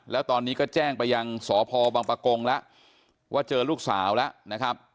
แล้วตอนนี้ก็แจ้งไปยังสพบังปะกงแล้วว่าเจอลูกสาวแล้วนะครับ